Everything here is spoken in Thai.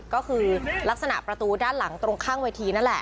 ก็คือลักษณะประตูด้านหลังตรงข้างเวทีนั่นแหละ